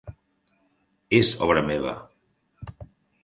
És obra meva.